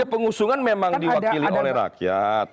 pengusungan memang diwakili oleh rakyat